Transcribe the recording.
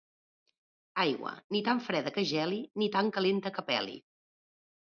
Aigua, ni tan freda que geli, ni tan calenta que peli.